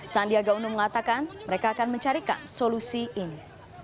sandiaga uno mengatakan mereka akan mencarikan solusi ini